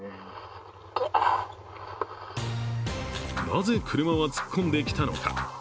なぜ車は突っ込んできたのか。